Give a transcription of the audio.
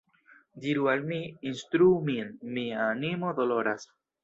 Diru al mi, instruu min, mia animo doloras!